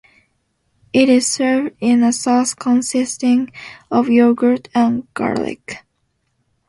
It is served in a sauce consisting of yogurt and garlic.